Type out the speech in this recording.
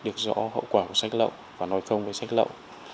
được rõ hậu quả của sách lậu và nói không với sách lậu